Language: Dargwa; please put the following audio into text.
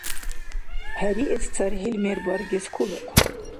ХӀериэс цархӀил мер баргес хьулухъун.